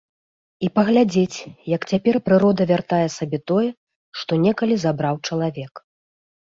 І паглядзець, як цяпер прырода вяртае сабе тое, што некалі забраў чалавек.